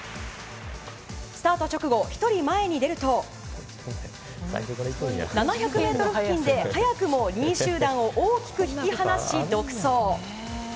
スタート直後、１人前に出ると７００ｍ付近で、速くも２位集団を大きく引き離し独走。